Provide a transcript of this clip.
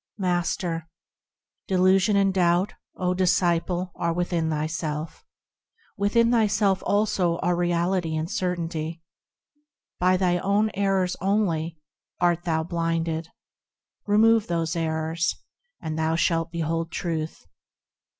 Master. Delusion and doubt, O disciple ! are within thyself; Within thyself, also, are reality and certainty. By thine own errors only art thou blinded, Remove those errors, and thou shalt behold Truth.